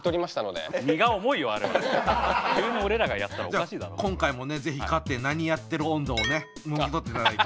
じゃ今回もね是非勝って「何やってる音頭」をねもぎ取っていただいて。